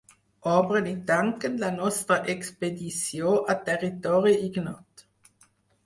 Obren i tanquen la nostra expedició a territori ignot.